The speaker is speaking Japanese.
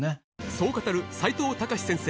そう語る齋藤孝先生